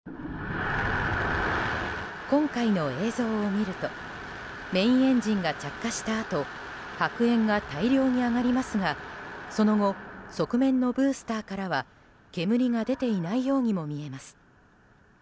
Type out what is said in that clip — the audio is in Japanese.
今回の映像を見るとメインエンジンが着火したあと白煙が大量に上がりますがその後、側面のブースターからは煙が出ていないようにも見えます。